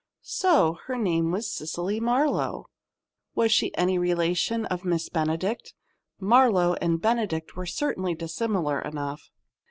So her name was Cecily Marlowe! Was she any relation of Miss Benedict? "Marlowe" and "Benedict" were certainly dissimilar enough.